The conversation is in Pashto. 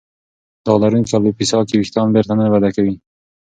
داغ لرونکې الوپیسیا کې وېښتان بېرته نه وده کوي.